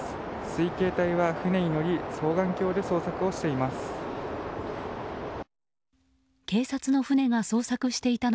水警隊は船に乗り双眼鏡で捜索をしています。